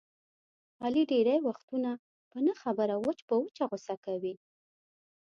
علي ډېری وختونه په نه خبره وچ په وچه غوسه کوي.